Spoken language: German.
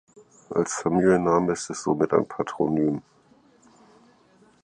Als Familienname ist es somit ein Patronym.